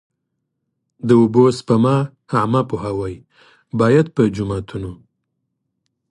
د اوبو سپما عامه پوهاوی باید په جوماتونو.